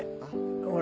ほら。